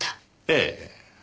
ええ。